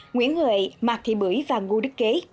nguyễn huệ mạc thị bưởi và ngu đức kế